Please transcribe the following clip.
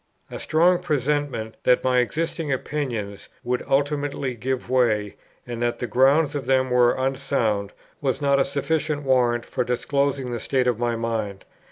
A strong presentiment that my existing opinions would ultimately give way, and that the grounds of them were unsound, was not a sufficient warrant for disclosing the state of my mind.